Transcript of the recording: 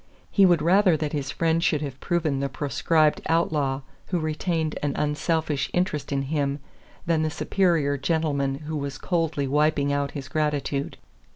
He would rather that his friend should have proven the proscribed outlaw who retained an unselfish interest in him than the superior gentleman who was coldly wiping out his gratitude.